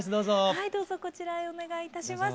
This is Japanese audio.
はいどうぞこちらへお願いいたします。